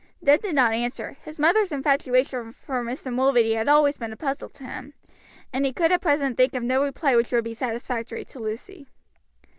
Ned did not answer; his mother's infatuation for Mr. Mulready had always been a puzzle to him, and he could at present think of no reply which would be satisfactory to Lucy.